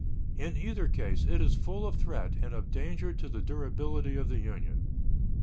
In either case it is full of threat and of danger to the durability of the Union.